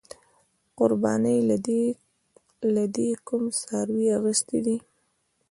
قربانۍ له دې کوم څاروې اغستی دی؟